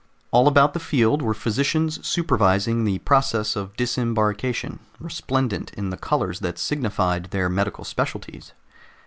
All about the field were physicians supervising the process of disembarcation, resplendent in the colors that signified their medical specialties.